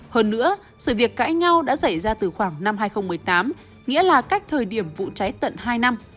hơn nữa sự việc cãi nhau đã xảy ra từ khoảng năm hai nghìn một mươi tám nghĩa là cách thời điểm vụ cháy tận hai năm